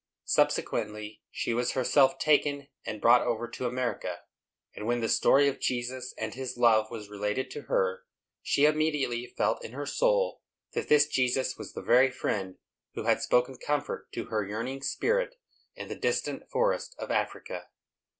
Subsequently, she was herself taken, and brought over to America; and, when the story of Jesus and his love was related to her, she immediately felt in her soul that this Jesus was the very friend who had spoken comfort to her yearning spirit in the distant forest of Africa.